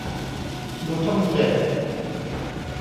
ดูช่องเจ็ด